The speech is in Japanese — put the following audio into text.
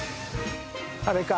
あれか。